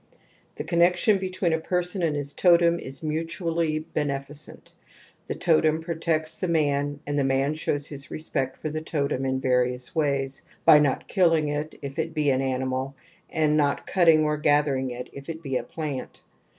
The c onnexion between a person np^ ^^ig totem is mutually beneficent ; t he totem pro a tects the man and the man shows his respect ^''\ ^^for the totem in various ways, by not killing it if it be an animal, and not cutting or gathering it if it be a plant.